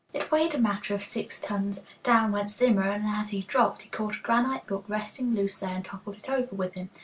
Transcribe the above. It weighed a matter of six tons. Down went Zimmer, and, as he dropped, he caught at a granite block resting loose there and toppled it over with him.